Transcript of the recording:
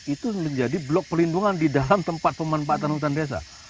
itu menjadi blok pelindungan di dalam tempat pemanfaatan hutan desa